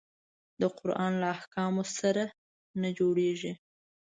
د قرآن له احکامو سره نه جوړیږي.